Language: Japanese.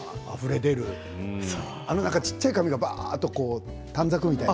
あの小さい紙がばーっと短冊みたいな。